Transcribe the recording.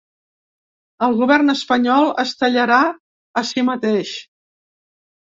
El govern espanyol es tallarà a si mateix